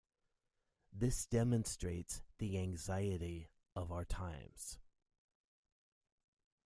This demonstrates the anxiety of our times.